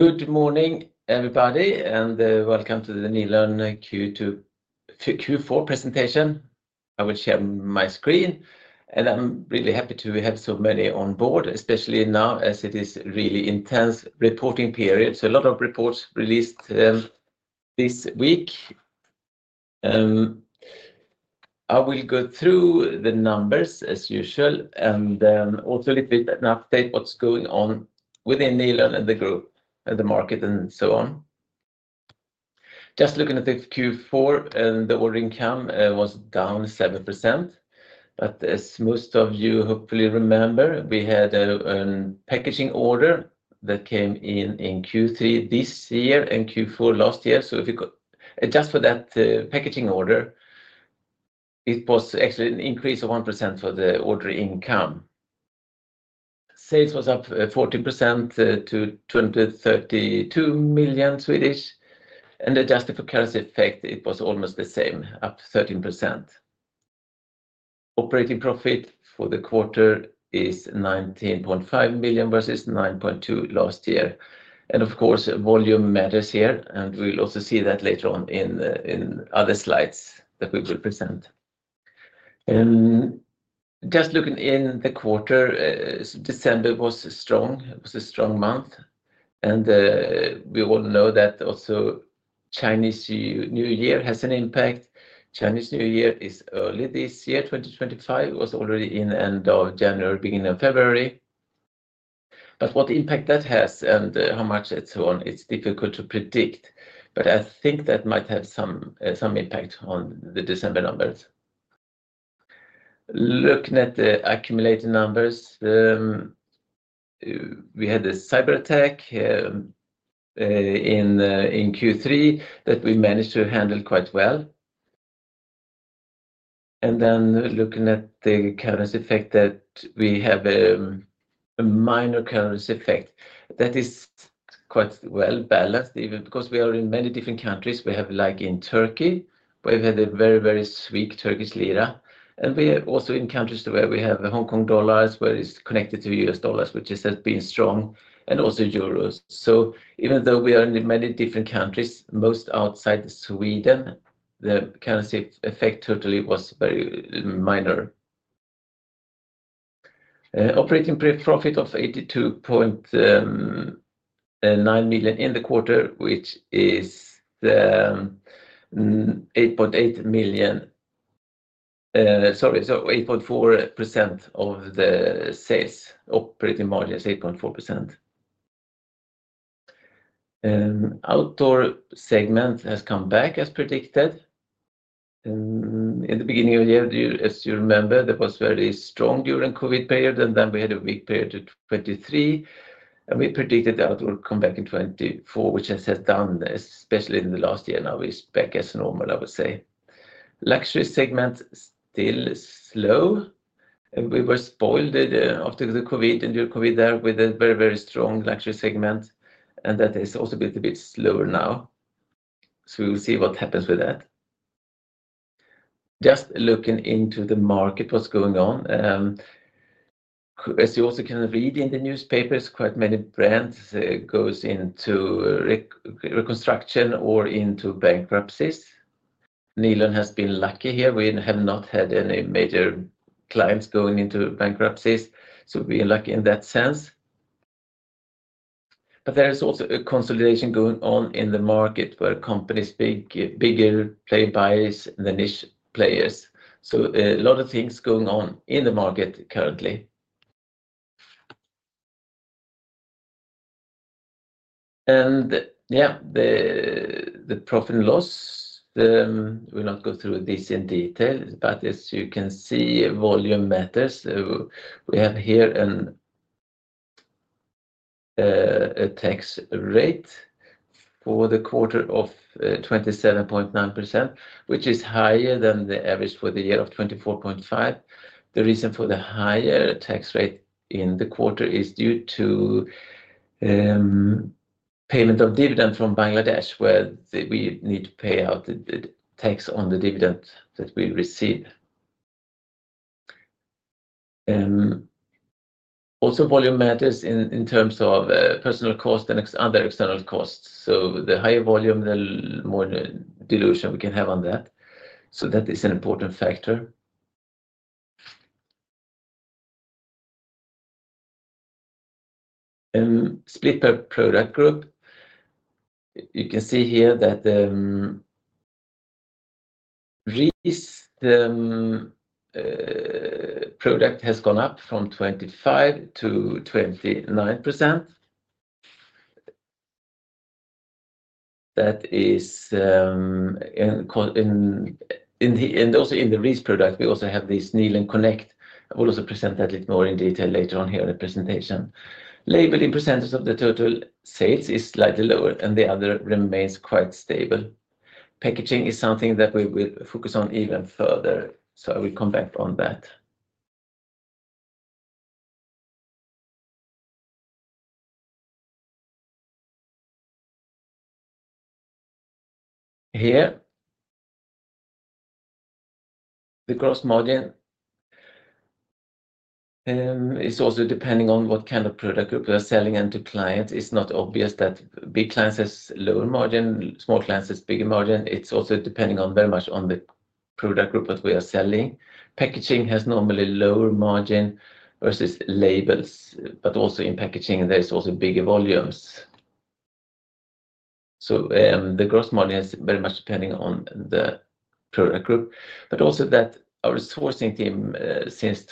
Good morning, everybody, and welcome to the Nilörn Q4 presentation. I will share my screen, and I'm really happy to have so many on board, especially now as it is a really intense reporting period. A lot of reports released this week. I will go through the numbers as usual, and also a little bit of an update on what's going on within Nilörn and the group, and the market, and so on. Just looking at the Q4, the order intake was down 7%. As most of you hopefully remember, we had a packaging order that came in in Q3 this year and Q4 last year. If you could adjust for that packaging order, it was actually an increase of 1% for the order intake. Sales was up 14% to 232 million. Adjusted for carousel effect, it was almost the same, up 13%. Operating profit for the quarter is 19.5 million versus 9.2 million last year. Of course, volume matters here, and we'll also see that later on in other slides that we will present. Just looking in the quarter, December was strong. It was a strong month. We all know that also Chinese New Year has an impact. Chinese New Year is early this year. 2025 was already in the end of January, beginning of February. What impact that has and how much, and so on, it's difficult to predict. I think that might have some impact on the December numbers. Looking at the accumulated numbers, we had a cyber attack in Q3 that we managed to handle quite well. Looking at the carousel effect, we have a minor carousel effect that is quite well balanced, even because we are in many different countries. We have, like in Turkey, where we had a very, very weak Turkish lira. We are also in countries where we have Hong Kong dollars, where it is connected to U.S. dollars, which has been strong, and also euros. Even though we are in many different countries, most outside Sweden, the carousel effect totally was very minor. Operating profit of 82.9 million in the quarter, which is 8.8 million. Sorry, so 8.4% of the sales. Operating margin is 8.4%. Outdoor segment has come back as predicted. In the beginning of the year, as you remember, there was a very strong during COVID period, and then we had a weak period 2023. We predicted outdoor come back in 2024, which has done, especially in the last year, now is back as normal, I would say. Luxury segment still slow. We were spoiled after the COVID and during COVID there with a very, very strong luxury segment, and that has also been a bit slower now. We will see what happens with that. Just looking into the market, what's going on. As you also can read in the newspapers, quite many brands go into reconstruction or into bankruptcies. Nilörn has been lucky here. We have not had any major clients going into bankruptcies, so we are lucky in that sense. There is also a consolidation going on in the market where companies are bigger, playing by the niche players. A lot of things going on in the market currently. Yeah, the profit and loss, we'll not go through this in detail, but as you can see, volume matters. We have here a tax rate for the quarter of 27.9%, which is higher than the average for the year of 24.5%. The reason for the higher tax rate in the quarter is due to payment of dividend from Bangladesh, where we need to pay out the tax on the dividend that we receive. Also, volume matters in terms of personal cost and other external costs. The higher volume, the more dilution we can have on that. That is an important factor. Split per product group. You can see here that the RIS product has gone up from 25% to 29%. That is, and also in the RIS product, we also have this Nilörn Connect. I will also present that a little more in detail later on here in the presentation. Label in percentage of the total sales is slightly lower, and the other remains quite stable. Packaging is something that we will focus on even further, so I will come back on that. Here, the gross margin is also depending on what kind of product group we are selling and to clients. It's not obvious that big clients have lower margin, small clients have bigger margin. It's also depending very much on the product group that we are selling. Packaging has normally lower margin versus labels, but also in packaging, there are also bigger volumes. The gross margin is very much depending on the product group. Also, our sourcing team, since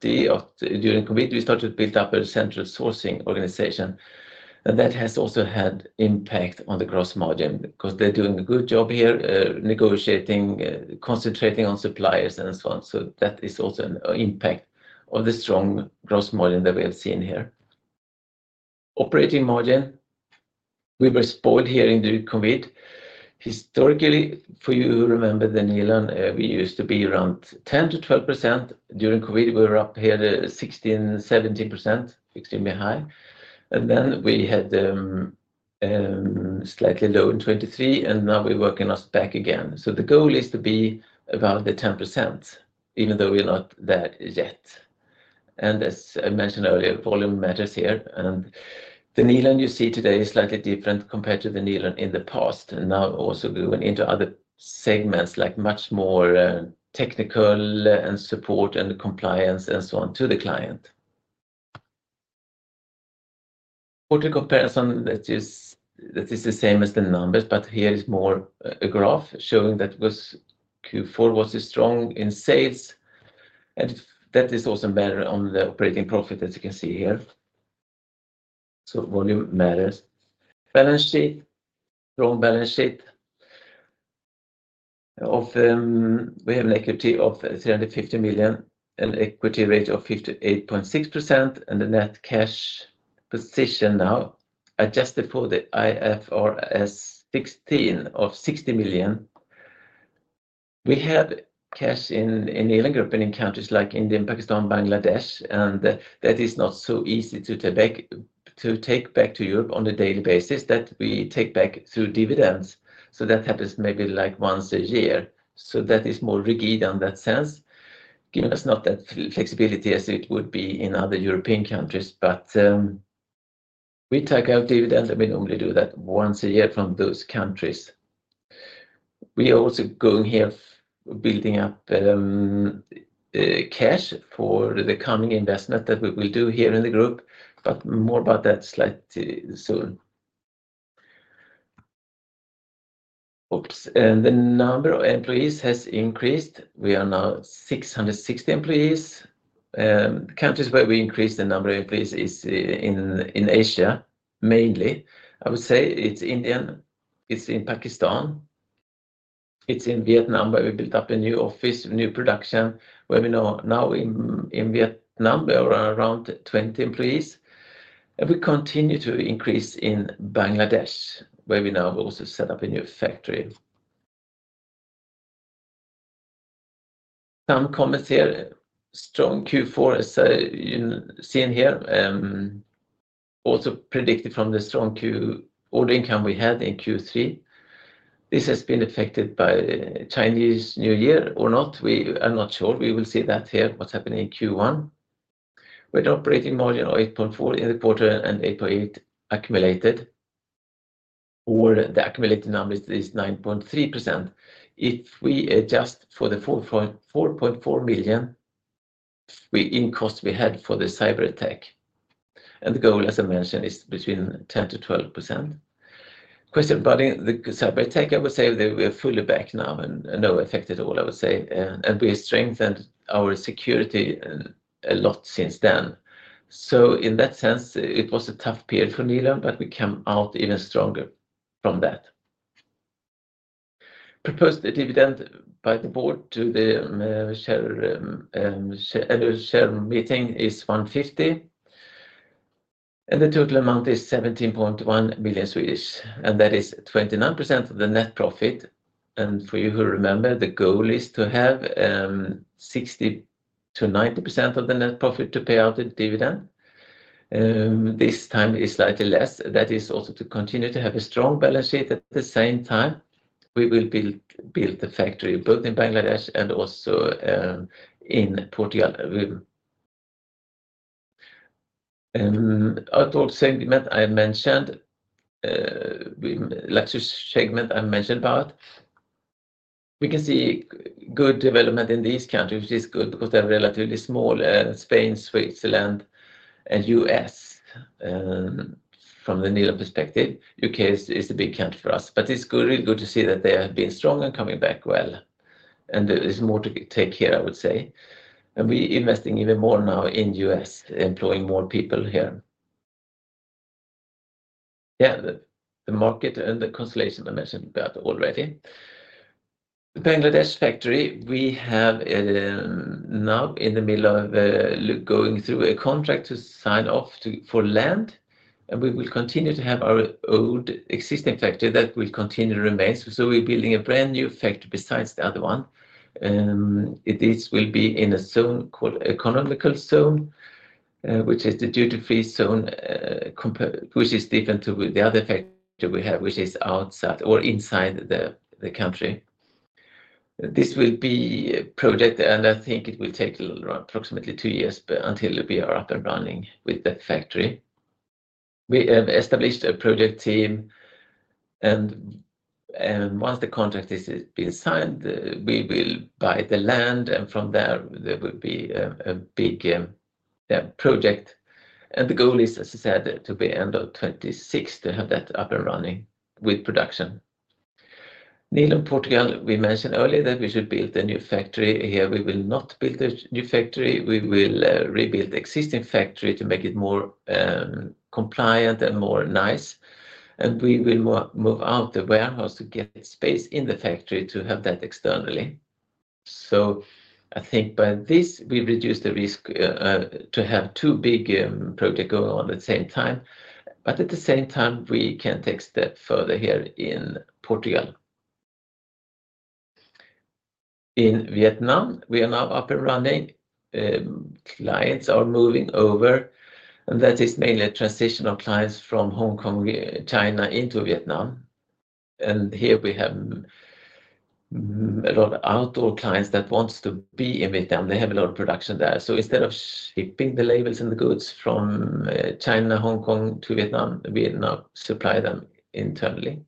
2020, during COVID, we started to build up a central sourcing organization. That has also had an impact on the gross margin because they're doing a good job here, negotiating, concentrating on suppliers, and so on. That is also an impact of the strong gross margin that we have seen here. Operating margin. We were spoiled here in the COVID. Historically, for you who remember Nilörn, we used to be around 10%-12%. During COVID, we were up here to 16%-17%, extremely high. Then we had slightly low in 2023, and now we're working us back again. The goal is to be around the 10%, even though we're not there yet. As I mentioned earlier, volume matters here. The Nilörn you see today is slightly different compared to the Nilörn in the past. Now also going into other segments, like much more technical and support and compliance and so on to the client. Quarter comparison, that is the same as the numbers, but here is more a graph showing that Q4 was strong in sales. That is also better on the operating profit, as you can see here. Volume matters. Balance sheet, strong balance sheet. Of them, we have an equity of 350 million, an equity ratio of 58.6%, and the net cash position now adjusted for IFRS 16 of 60 million. We have cash in Nilörngruppen and in countries like India, Pakistan, Bangladesh, and that is not so easy to take back to Europe on a daily basis that we take back through dividends. That happens maybe like once a year. That is more rigid in that sense, giving us not that flexibility as it would be in other European countries. We take out dividends, and we normally do that once a year from those countries. We are also going here, building up cash for the coming investment that we will do here in the group, but more about that slightly soon. Oops. The number of employees has increased. We are now 660 employees. Countries where we increased the number of employees is in Asia, mainly. I would say it's India, it's in Pakistan, it's in Vietnam, where we built up a new office, new production, where we now in Vietnam, we are around 20 employees. We continue to increase in Bangladesh, where we now also set up a new factory. Some comments here. Strong Q4, as you see here. Also predicted from the strong Q ordering count we had in Q3. This has been affected by Chinese New Year or not. We are not sure. We will see that here, what's happening in Q1. With operating margin of 8.4 in the quarter and 8.8 accumulated, or the accumulated number is 9.3%. If we adjust for the 4.4 million in cost we had for the cyber attack. The goal, as I mentioned, is between 10%-12%. Question regarding the cyber attack, I would say we are fully back now and no effect at all, I would say. We have strengthened our security a lot since then. In that sense, it was a tough period for Nilörn, but we came out even stronger from that. Proposed dividend by the board to the share meeting is 1.50. The total amount is 17.1 million Swedish, and that is 29% of the net profit. For you who remember, the goal is to have 60%-90% of the net profit to pay out the dividend. This time is slightly less. That is also to continue to have a strong balance sheet. At the same time, we will build a factory both in Bangladesh and also in Portugal. Outdoor segment I mentioned, luxury segment I mentioned about. We can see good development in these countries, which is good because they're relatively small, Spain, Switzerland, and U.S. from the Nilörn perspective. U.K. is a big country for us, but it's really good to see that they have been strong and coming back well. There is more to take here, I would say. We are investing even more now in the U.S., employing more people here. Yeah, the market and the consolidation I mentioned about already. The Bangladesh factory, we have now in the middle of going through a contract to sign off for land. We will continue to have our old existing factory that will continue to remain. We're building a brand new factory besides the other one. This will be in a zone called economical zone, which is the duty-free zone, which is different to the other factory we have, which is outside or inside the country. This will be a project, and I think it will take approximately two years until we are up and running with the factory. We have established a project team, and once the contract has been signed, we will buy the land, and from there, there will be a big project. The goal is, as I said, to be end of 2026 to have that up and running with production. Nilörn, Portugal, we mentioned earlier that we should build a new factory here. We will not build a new factory. We will rebuild the existing factory to make it more compliant and more nice. We will move out the warehouse to get space in the factory to have that externally. I think by this, we reduce the risk to have two big projects going on at the same time. At the same time, we can take steps further here in Portugal. In Vietnam, we are now up and running. Clients are moving over, and that is mainly a transition of clients from Hong Kong, China, into Vietnam. Here we have a lot of outdoor clients that want to be in Vietnam. They have a lot of production there. Instead of shipping the labels and the goods from China, Hong Kong, to Vietnam, we now supply them internally.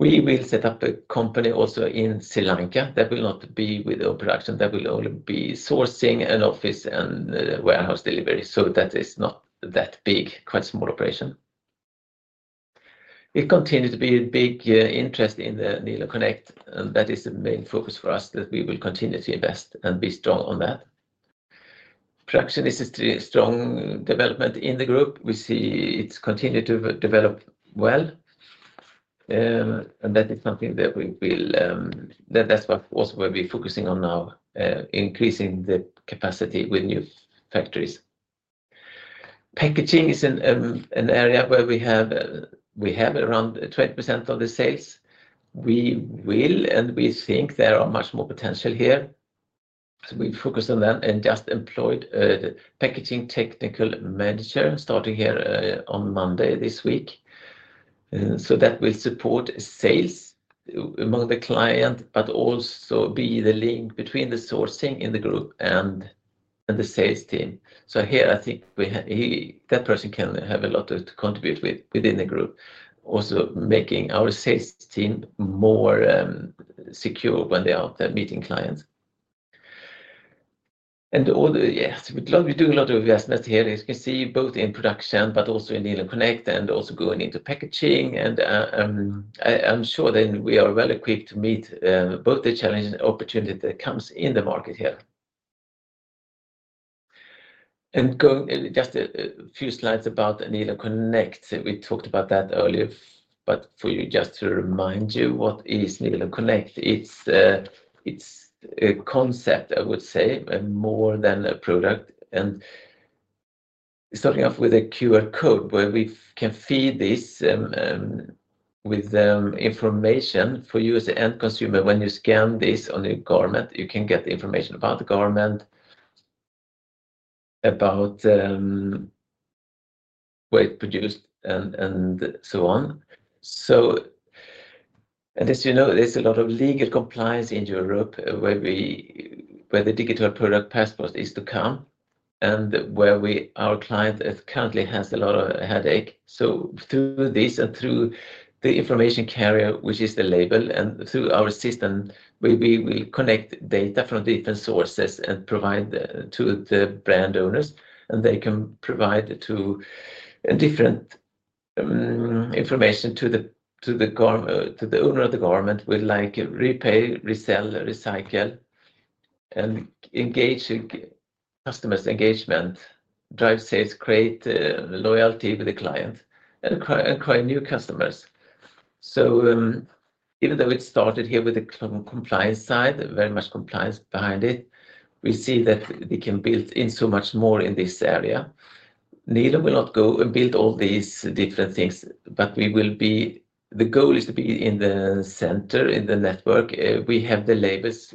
We will set up a company also in Sri Lanka that will not be with our production. That will only be sourcing an office and warehouse delivery. That is not that big, quite a small operation. We continue to be a big interest in the Nilörn Connect, and that is the main focus for us that we will continue to invest and be strong on that. Production is a strong development in the group. We see it has continued to develop well. That is something that we will, that is also what we are focusing on now, increasing the capacity with new factories. Packaging is an area where we have around 20% of the sales. We will, and we think there is much more potential here. We focus on that and just employed a packaging technical manager starting here on Monday this week. That will support sales among the client, but also be the link between the sourcing in the group and the sales team. Here, I think that person can have a lot to contribute within the group, also making our sales team more secure when they are out there meeting clients. Yes, we're doing a lot of investments here. As you can see, both in production, but also in Nilörn Connect and also going into packaging. I'm sure then we are well equipped to meet both the challenges and opportunities that come in the market here. Just a few slides about Nilörn Connect. We talked about that earlier, but for you just to remind you, what is Nilörn Connect? It's a concept, I would say, more than a product. Starting off with a QR code where we can feed this with information for you as an end consumer. When you scan this on your garment, you can get information about the garment, about where it's produced, and so on. As you know, there's a lot of legal compliance in Europe where the Digital Product Passport is to come, and where our client currently has a lot of headache. Through this and through the information carrier, which is the label, and through our system, we will connect data from different sources and provide to the brand owners, and they can provide different information to the owner of the garment with repay, resell, recycle, and engage customers, engagement, drive sales, create loyalty with the client, and acquire new customers. Even though it started here with the compliance side, very much compliance behind it, we see that they can build in so much more in this area. Nilörn will not go and build all these different things, but we will be, the goal is to be in the center, in the network. We have the labels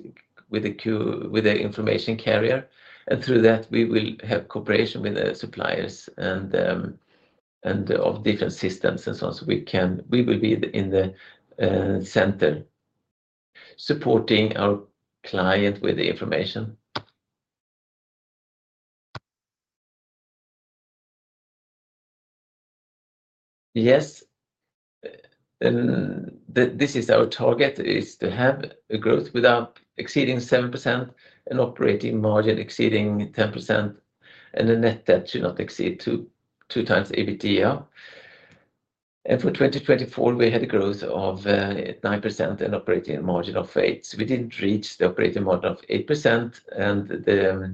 with the information carrier, and through that, we will have cooperation with the suppliers and of different systems and so on. We will be in the center, supporting our client with the information. Yes, this is our target, is to have a growth without exceeding 7%, an operating margin exceeding 10%, and a net debt should not exceed two times EBITDA. For 2024, we had a growth of 9% and operating margin of 8%. We did not reach the operating margin of 8%, and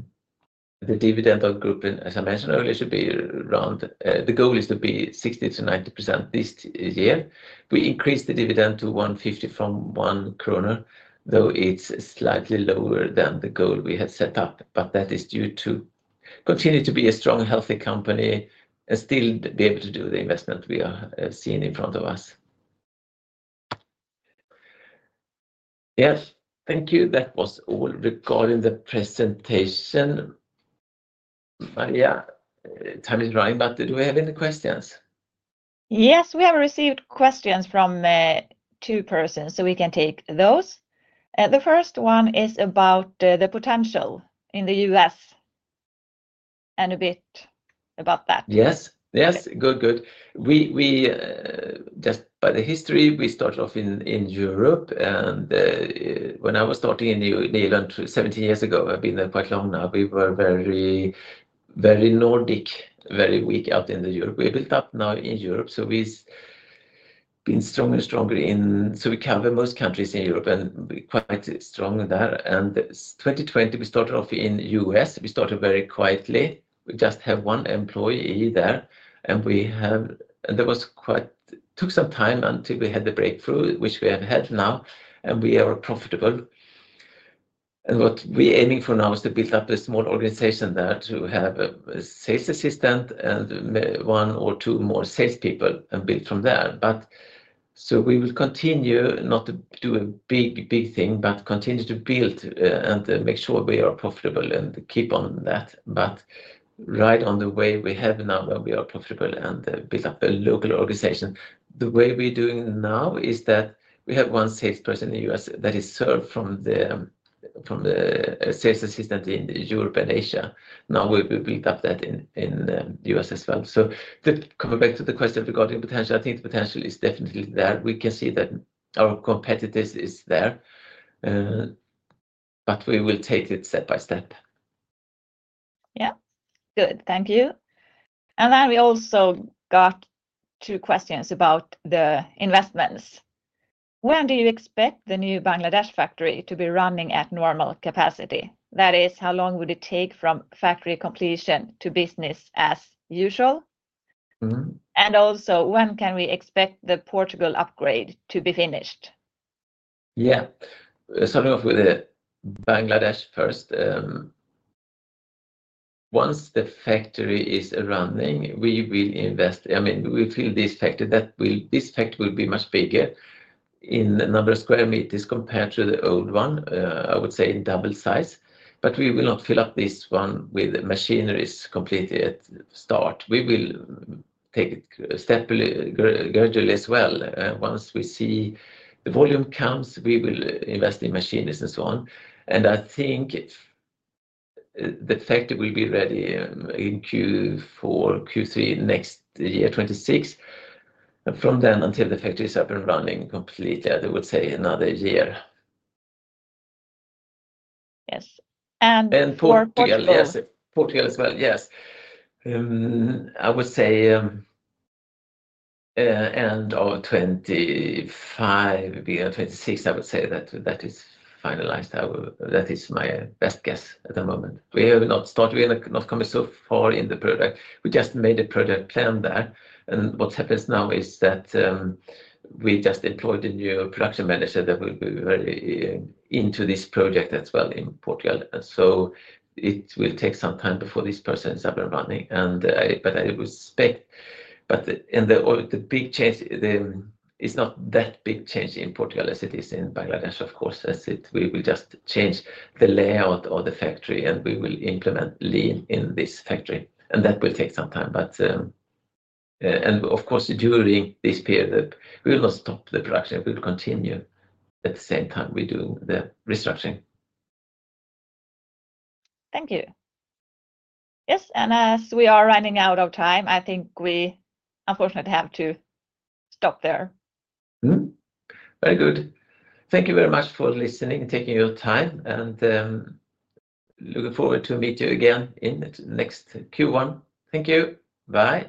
the dividend of the group, as I mentioned earlier, should be around, the goal is to be 60%-90% this year. We increased the dividend to 1.50 from one krona, though it's slightly lower than the goal we had set up, but that is due to continue to be a strong, healthy company and still be able to do the investment we are seeing in front of us. Yes, thank you. That was all regarding the presentation. Maria, time is running, but do we have any questions? Yes, we have received questions from two persons, so we can take those. The first one is about the potential in the U.S. and a bit about that. Yes, yes, good, good. Just by the history, we started off in Europe, and when I was starting in Nilörn 17 years ago, I've been there quite long now. We were very, very Nordic, very weak out in Europe. We built up now in Europe, so we've been stronger and stronger in, so we cover most countries in Europe and quite strong there. In 2020, we started off in the U.S. We started very quietly. We just have one employee there, and we have, and there was quite, took some time until we had the breakthrough, which we have had now, and we are profitable. What we're aiming for now is to build up a small organization there to have a sales assistant and one or two more salespeople and build from there. We will continue not to do a big, big thing, but continue to build and make sure we are profitable and keep on that. Right on the way we have now, where we are profitable and build up a local organization. The way we're doing now is that we have one salesperson in the U.S. that is served from the sales assistant in Europe and Asia. Now we've built up that in the U.S. as well. Coming back to the question regarding potential, I think the potential is definitely there. We can see that our competitors are there, but we will take it step by step. Yeah, good, thank you. We also got two questions about the investments. When do you expect the new Bangladesh factory to be running at normal capacity? That is, how long would it take from factory completion to business as usual? Also, when can we expect the Portugal upgrade to be finished? Yeah, starting off with Bangladesh first. Once the factory is running, we will invest, I mean, we feel this factory that will, this factory will be much bigger in the number of square meters compared to the old one, I would say in double size. We will not fill up this one with machineries completely at start. We will take it step gradually as well. Once we see the volume comes, we will invest in machineries and so on. I think the factory will be ready in Q4, Q3 next year, 2026. From then until the factory is up and running completely, I would say another year. Yes, and. Portugal. Yes, Portugal as well, yes. I would say end of 2025, 2026, I would say that that is finalized. That is my best guess at the moment. We have not started, we have not come so far in the project. We just made a project plan there. What happens now is that we just employed a new production manager that will be very into this project as well in Portugal. It will take some time before this person is up and running. I would expect, but the big change is not that big change in Portugal as it is in Bangladesh, of course. We will just change the layout of the factory and we will implement lean in this factory. That will take some time. Of course, during this period, we will not stop the production. We will continue at the same time we do the restructuring. Thank you. Yes, as we are running out of time, I think we unfortunately have to stop there. Very good. Thank you very much for listening and taking your time. Looking forward to meet you again in the next Q1. Thank you. Bye.